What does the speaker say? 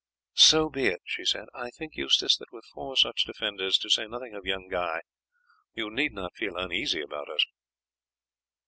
"So be it," she said. "I think, Eustace, that with four such defenders, to say nothing of young Guy, you need not feel uneasy about us."